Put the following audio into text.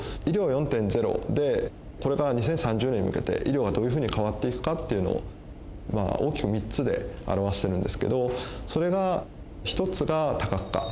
「医療４．０」でこれから２０３０年に向けて医療はどういうふうに変わっていくかっていうのを大きく３つで表してるんですけどそれが１つが多角化。